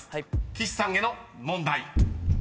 ［岸さんへの問題］